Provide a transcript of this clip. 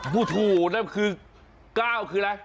พูดถูกนั่นคือ๙คืออะไร